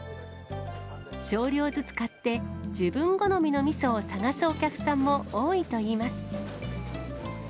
少量ずつ買って、自分好みのみそを探すお客さんも多いといいます。